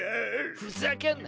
ふざけんな。